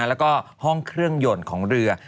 แล้วก็ห้องเครื่องยนต์ของเรือ